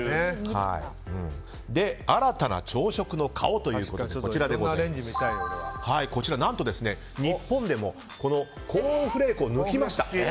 新たな朝食の顔ということでこちら、日本でもコーンフレークを抜きました。